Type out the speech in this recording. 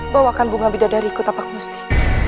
bawakan bunga bidadari ke kota pakmusti